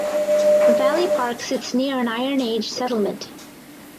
Valley Park sits near an Iron Age settlement.